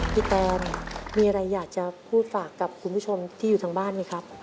แตนมีอะไรอยากจะพูดฝากกับคุณผู้ชมที่อยู่ทางบ้านไหมครับ